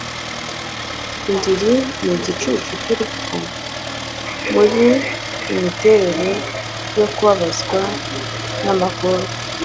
indiri nigicucu cyurupfu, muri Imiterere yo kubabazwa n'amagorwa